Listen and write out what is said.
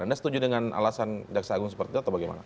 anda setuju dengan alasan jaksa agung seperti itu atau bagaimana